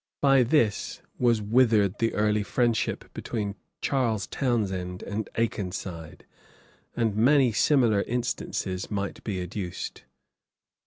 By this was withered the early friendship between Charles Townshend and Akenside; and many similar instances might be adduced.